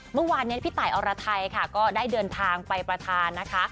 เมื่อวานนี้พี่ตายอรไทยค่ะก็ได้เดินทางไปประธานนะคะ